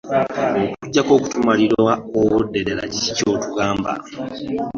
Okuggyako okutumalira obudde ddala kiki ky'otugamba?